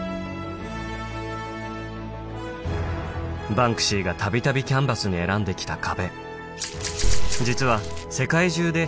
バンクシーがたびたびキャンバスに選んで来た壁